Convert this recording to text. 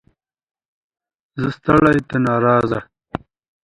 ـ زه ستړى ته ناراضي.